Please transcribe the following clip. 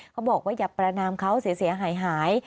เขาบอกว่าอย่าประนามเขาเสียหาย